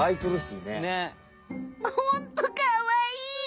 ホントかわいい！